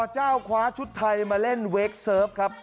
เจ้าคว้าชุดไทยมาเล่นเวคเซิร์ฟครับ